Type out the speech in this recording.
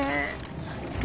そっか。